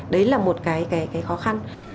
đấy là một cái khó khăn